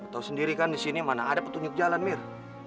tau sendiri kan disini mana ada petunjuk jalan mir